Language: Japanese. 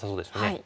はい。